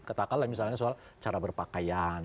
katakanlah misalnya soal cara berpakaian